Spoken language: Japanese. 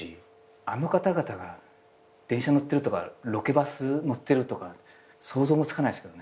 あの方々が電車乗ってるとかロケバス乗ってるとか想像もつかないっすけどね。